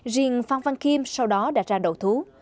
riêng phan văn kim sau đó đã ra đậu thú